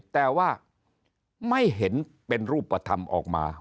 แต่ว่าไม่เห็นเป็นรูปธรรมออกมา